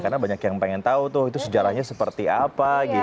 karena banyak yang pengen tahu tuh itu sejarahnya seperti apa gitu